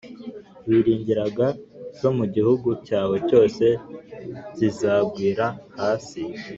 wiringiraga zo mu gihugu cyawe cyose zizagwira hasi.